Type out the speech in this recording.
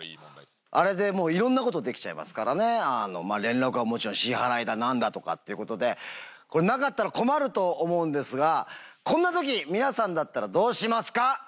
あれでもういろんなことできちゃいますからね、連絡はもちろん、支払いだなんだとかということで、これなかったら困ると思うんですが、こんなとき、皆さんだったらどうしますか？